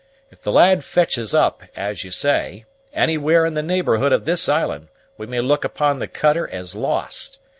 If the lad fetches up, as you say, anywhere in the neighborhood of this island, we may look upon the cutter as lost.